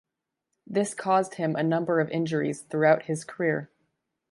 This caused him a number of injuries throughout his career.